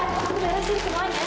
aku jalan jalan sini semuanya